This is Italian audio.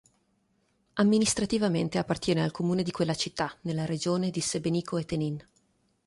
Amministrativamente appartiene al comune di quella città, nella regione di Sebenico e Tenin.